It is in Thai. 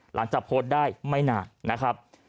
หลังจากโพสต์ได้ไม่นานนะครับ